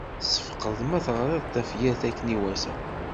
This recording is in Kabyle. Ssefqed ma teɣriḍ-d tafyirt akken iwata.